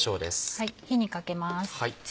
火にかけます。